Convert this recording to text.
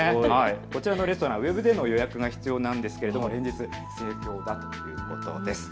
こちらのレストラン、ウェブでの予約が必要ですが連日盛況だということです。